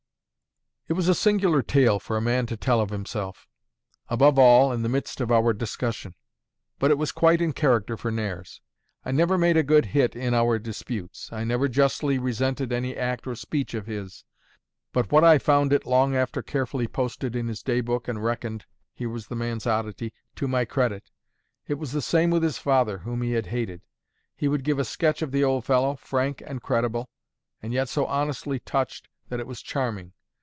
It was a singular tale for a man to tell of himself; above all, in the midst of our discussion; but it was quite in character for Nares. I never made a good hit in our disputes, I never justly resented any act or speech of his, but what I found it long after carefully posted in his day book and reckoned (here was the man's oddity) to my credit. It was the same with his father, whom he had hated; he would give a sketch of the old fellow, frank and credible, and yet so honestly touched that it was charming.